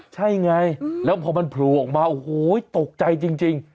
ใช่ไงแล้วพอมันโผล่ออกมาโอ้โหตกใจจริง